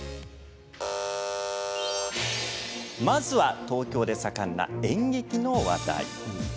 まずは、東京で盛んな演劇の話題。